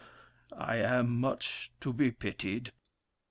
I am much to be pitied.